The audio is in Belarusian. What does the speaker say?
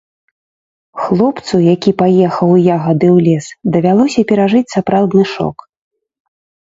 Хлопцу, які паехаў у ягады ў лес, давялося перажыць сапраўдны шок.